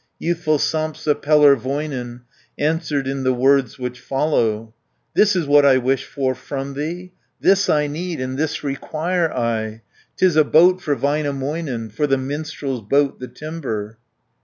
Youthful Sampsa Pellervoinen, Answered in the words which follow: "This is what I wish for from thee, This I need, and this require I, 'Tis a boat for Väinämöinen; For the minstrel's boat the timber."